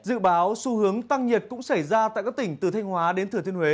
dự báo xu hướng tăng nhiệt cũng xảy ra tại các tỉnh từ thanh hóa đến thừa thiên huế